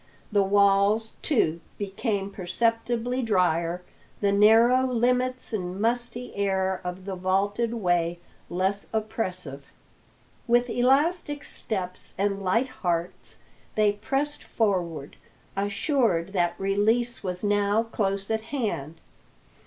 The walls, too, became perceptibly drier, the narrow limits and musty air of the vaulted way less oppressive. With elastic steps and light hearts they pressed forward, assured that release was now close at hand.